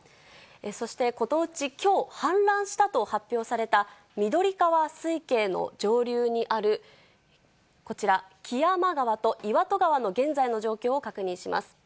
そして、このうちきょう氾濫したと発表された緑川水系の上流にあるこちら、木山川と岩戸川の現在の状況を確認します。